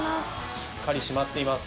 しっかりしまっています